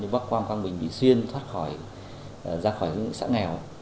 bắc quang quang bình vĩ xuyên thoát khỏi ra khỏi xã nghèo